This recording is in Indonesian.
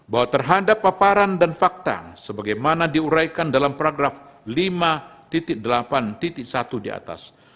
bahwa terhadap paparan dan fakta sebagaimana diuraikan dalam program lima delapan satu di atas